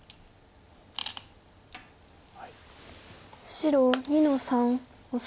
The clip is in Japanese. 白２の三オサエ。